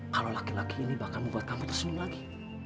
kalau laki laki ini bahkan membuat kamu tersenyum lagi